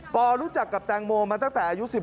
รู้จักกับแตงโมมาตั้งแต่อายุ๑๓